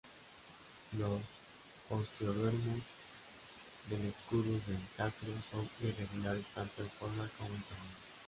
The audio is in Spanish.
Los osteodermos del escudo del sacro son irregulares tanto en forma como en tamaño.